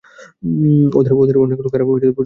ওদের অনেক লোক আর প্রচুর সরঞ্জাম ছিল।